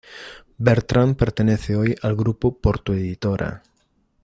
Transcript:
Bertrand pertenece hoy al grupo Porto Editora.